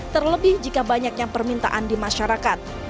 terlebih jika banyaknya permintaan di masyarakat